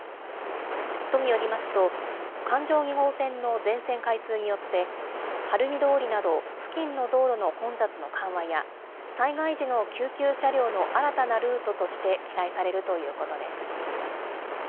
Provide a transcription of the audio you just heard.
都によりますと、環状２号線の全線開通によって、晴海通りなど、付近の道路の混雑の緩和や、災害時の救急車両の新たなルートとして期待されるということです。